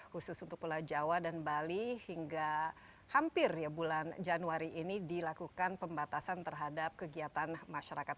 khusus untuk pulau jawa dan bali hingga hampir bulan januari ini dilakukan pembatasan terhadap kegiatan masyarakat